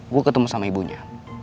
gue ketemu sama ibunya